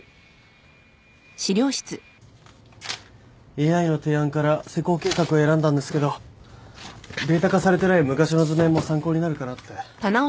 ＡＩの提案から施工計画を選んだんですけどデータ化されてない昔の図面も参考になるかなって。